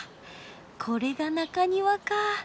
これが中庭か。